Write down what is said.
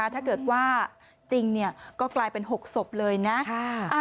ถ้าเกิดว่าจริงก็กลายเป็น๖ศพเลยนะ